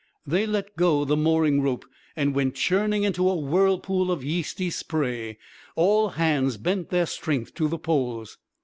They let go the mooring rope and went churning into a whirlpool of yeasty spray. All hands bent their strength to the poles.